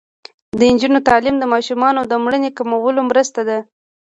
د نجونو تعلیم د ماشومانو مړینې کمولو مرسته ده.